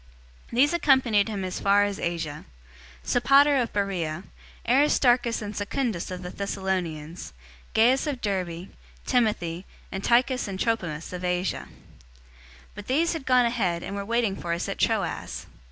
020:004 These accompanied him as far as Asia: Sopater of Beroea; Aristarchus and Secundus of the Thessalonians; Gaius of Derbe; Timothy; and Tychicus and Trophimus of Asia. 020:005 But these had gone ahead, and were waiting for us at Troas.